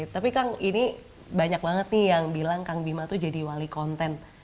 tapi kang ini banyak banget nih yang bilang kang bima tuh jadi wali konten